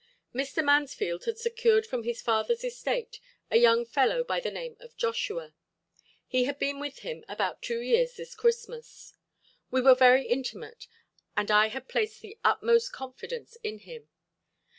Mr. Mansfield had secured from his father's estate a young fellow by the name of Joshua. He had been with him about two years this Christmas. We were very intimate and I had placed the utmost confidence in him.